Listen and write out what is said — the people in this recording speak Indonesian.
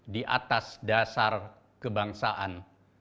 di atas dasar kebangsaan